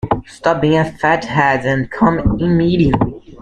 Stop being a fathead and come immediately.